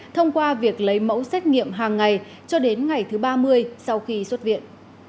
thông qua việc lấy mẫu xét nghiệm hàng ngày cho đến ngày thứ ba mươi sau khi xuất viện